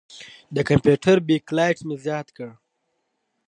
د کمپیوټر بیک لایټ مې زیات کړ.